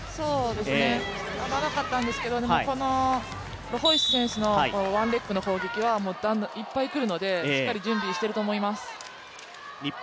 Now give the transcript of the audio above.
合わなかったんですけどこの選手のワンレッグの攻撃はいっぱいくるのでしっかり準備してくると思います。